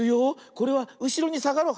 これはうしろにさがろう。